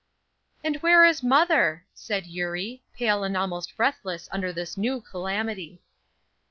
"And where is mother?" said Eurie, pale and almost breathless under this new calamity.